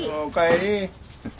お帰り。